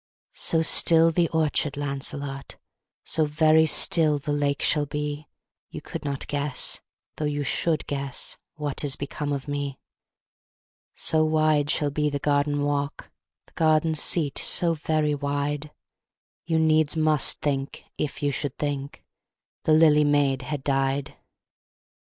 So still the orchard, Lancelot, So very still the lake shall be, You could not guess though you should guess What is become of me. So wide shall be the garden walk, The garden seat so very wide, You needs must think if you should think The lily maid had died.